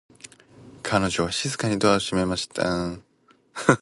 彼女は静かにドアを閉めました。